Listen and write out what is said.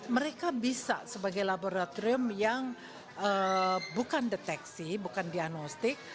mereka bisa sebagai laboratorium yang bukan deteksi bukan diagnostik